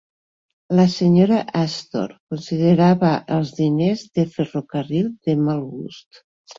La Senyora Astor considerava els diners de ferrocarril de mal gust.